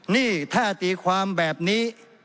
นี่ถ้าตีความแบบนี้